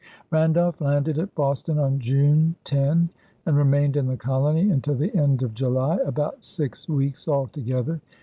Randolph landed at Boston on June 10, and remained in the colony until the end of July, about six weeks altogether.